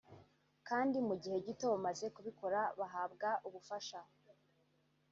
kandi mu gihe gito bamaze kubikora bahabwa ubufasha